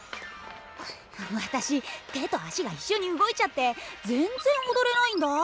私手と足が一緒に動いちゃって全然踊れないんだ。